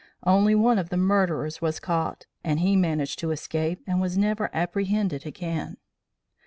Only one of the murderers was caught and he managed to escape and was never apprehended again.